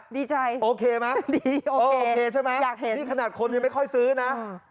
ดีใจโอเคไหมโอเคใช่ไหมนี่ขนาดคนยังไม่ค่อยซื้อนะอยากเห็น